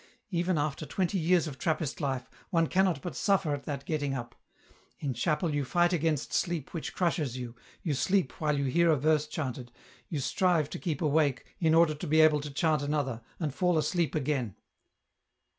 Even after twenty years of Trappist life, one cannot but suffer at that getting up ; in chapel you fight against sleep which crushes you, you sleep while you hear a verse chanted, you strive to keep awake, in order to be able to chant another, and fall asleep again.